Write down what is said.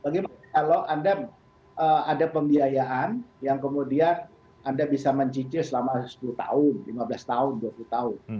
bagaimana kalau anda ada pembiayaan yang kemudian anda bisa mencicil selama sepuluh tahun lima belas tahun dua puluh tahun